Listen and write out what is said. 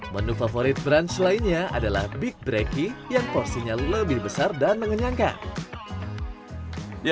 menu favorit branch lainnya adalah big brecky yang porsinya lebih besar dan mengenyangkan